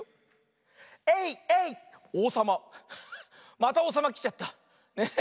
またおうさまきちゃった。